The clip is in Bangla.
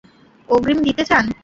অগ্রিম দিতে চান?